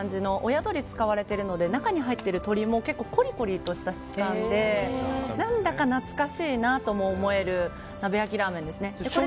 親鳥使われているので中に入ってる鶏も結構コリコリとした質感で何だか懐かしいなとも思える鍋焼きラーメンです。